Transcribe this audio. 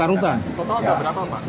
makanya berapa pak